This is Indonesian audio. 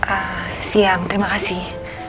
ee siang terima kasih